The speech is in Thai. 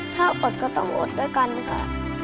ถ้าอดก็ต้องอดด้วยกันค่ะ